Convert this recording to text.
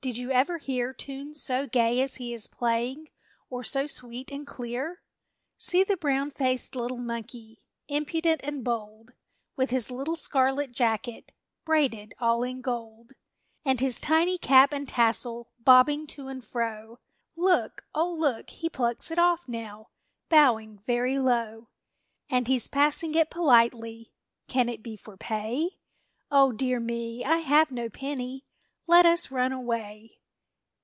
Did you ever hear Tunes so gay as he is playing, Or so sweet and clear? See the brown faced little monkey, Impudent and bold, With his little scarlet jacket Braided all in gold! And his tiny cap and tassel Bobbing to and fro, Look, oh, look! he plucks it off now, Bowing very low. And he's passing it politely Can it be for pay? O dear me! I have no penny! Let us run away!